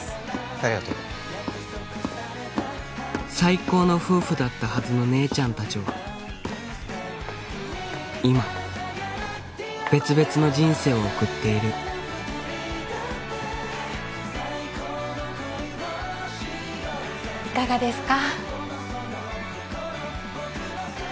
ありがとう最高の夫婦だったはずの姉ちゃん達は今別々の人生を送っているいかがですか？